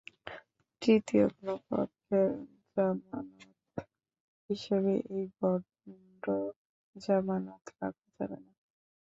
তৃতীয় কোনো পক্ষের জামানত হিসেবে এই বন্ড জামানত রাখা যাবে না।